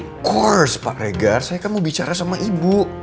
terus pak regar saya kan mau bicara sama ibu